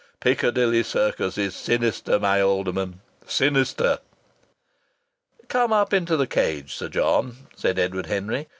Piccadilly Circus is sinister, my Alderman sinister." "Come up into the cage, Sir John," said Edward Henry.